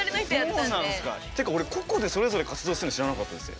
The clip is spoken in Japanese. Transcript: ていうか俺個々でそれぞれ活動してるの知らなかったです。